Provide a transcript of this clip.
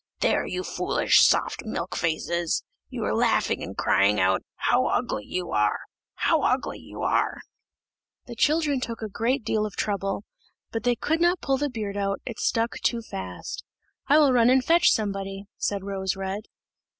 There you foolish, soft, milk faces! you are laughing and crying out, 'How ugly you are! how ugly you are!'" The children took a great deal of trouble, but they could not pull the beard out; it stuck too fast. "I will run and fetch somebody," said Rose red.